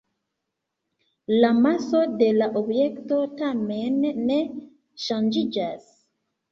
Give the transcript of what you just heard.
La maso de la objekto tamen ne ŝanĝiĝas.